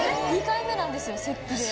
２回目なんですよ石器で。